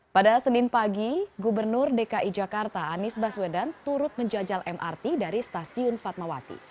pada senin pagi gubernur dki jakarta anies baswedan turut menjajal mrt dari stasiun fatmawati